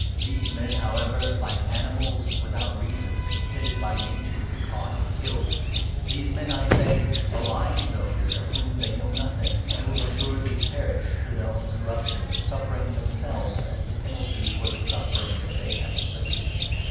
These men, however, like animals 12 without reason, intended by nature to be caught and killed — these men, I say, malign those of whom they know nothing, and will assuredly perish through their own corruption, suffering themselves, as the penalty for the suffering that 13 they have inflicted.